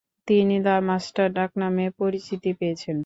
তিনি ‘the master’ ডাকনামে পরিচিতি পেয়েছেন।